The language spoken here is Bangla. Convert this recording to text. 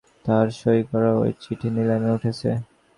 তাঁর সই করা ওই চিঠি নিলামে উঠছে।